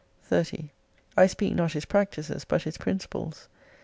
30 I speak not his practises but his principles.